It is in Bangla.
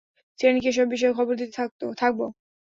চেনিকে এসব বিষয়ে খবর দিতে থাকবো?